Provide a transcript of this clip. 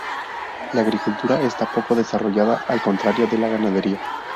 La agricultura está poco desarrollada, al contrario de la ganadería.